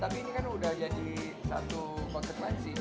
tapi ini kan udah jadi satu konsep lagi sih